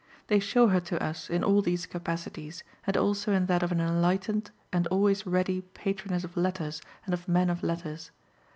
They show her to us in all these capacities, and also in that of an enlightened and always ready patroness of letters and of men of letters.